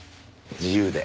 自由で。